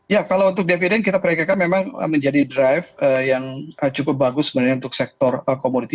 ya kalau untuk dividen kita perhatikan memang menjadi drive yang cukup bagus sebenarnya untuk sektor komoditi